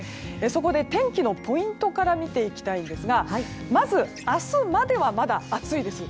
そこで、天気のポイントから見ていきたいんですがまず、明日まではまだ暑いです。